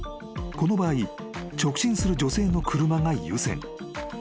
［この場合直進する女性の車が優先］